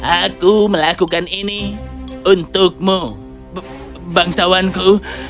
aku melakukan ini untukmu bangsawanku